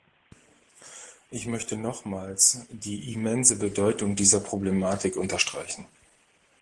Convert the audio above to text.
Ich möchte nochmals die immense Bedeutung dieser Problematik unterstreichen.